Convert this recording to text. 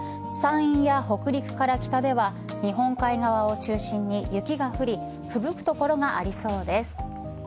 山陰や北陸から北では日本海側を中心に雪が降りふぶく所がありそうです。